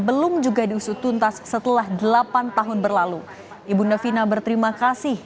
belum juga diusutuntas setelah delapan tahun berlalu ibu ndafina berterima kasih